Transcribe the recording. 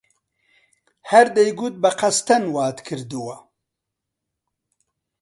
هەر دەیگوت بە قەستەن وات کردووە!